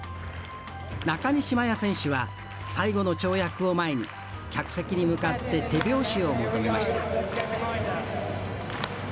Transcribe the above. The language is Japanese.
中西麻耶選手は最後の跳躍を前に客席に向かって手拍子を求めました。